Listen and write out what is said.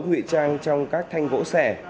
nguy trang trong các thanh vỗ xẻ